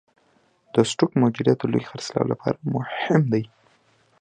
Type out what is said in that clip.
د سټوک موجودیت د لوی خرڅلاو لپاره مهم دی.